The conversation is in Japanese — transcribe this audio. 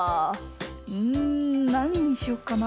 うんなににしよっかな。